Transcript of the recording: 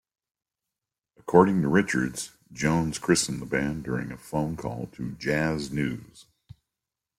According to Richards, Jones christened the band during a phone call to "Jazz News".